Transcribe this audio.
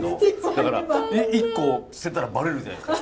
だから１個捨てたらバレるじゃないですか。